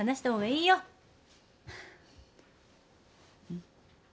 うん。